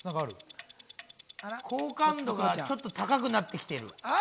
好感度がちょっと高くなってきている。